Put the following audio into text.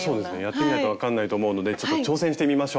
やってみないとわかんないと思うのでちょっと挑戦してみましょう。